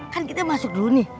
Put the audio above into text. kan kita masuk dulu nih